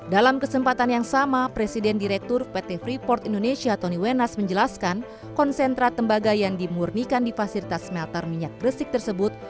dalam kesempatan yang sama presiden direktur pt freeport indonesia tony wenas menjelaskan konsentrat tembaga yang dimurnikan di fasilitas smelter minyak gresik tersebut